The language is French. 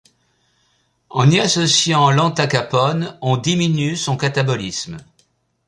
En y associant l'entacapone on diminue son catabolisme.